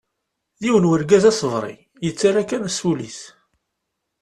D yiwen n urgaz asebri, yettarra kan s ul-is.